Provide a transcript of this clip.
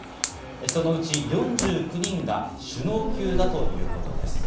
そのうち４９人が首脳級だということです。